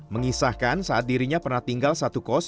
mengisahkan saat dirinya pernah tinggal satu kos